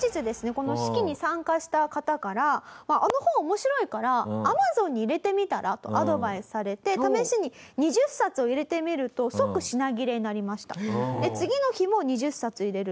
この式に参加した方から「あの本面白いからＡｍａｚｏｎに入れてみたら？」とアドバイスされて試しに２０冊を入れてみると即品切れになりました。